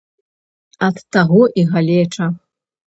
Ад таго і галеча.